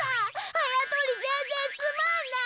あやとりぜんぜんつまんない！